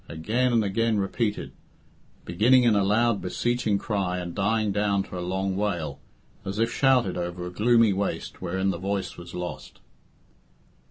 again and again repeated, beginning in a loud beseeching cry and dying down to a long wail, as if shouted over a gloomy waste wherein the voice was lost.